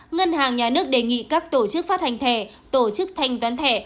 ngân hàng nhà nước đề nghị các tổ chức phát hành thẻ tổ chức thanh toán thẻ